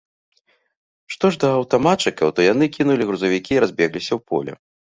Што ж да аўтаматчыкаў, то яны кінулі грузавікі і разбегліся ў поле.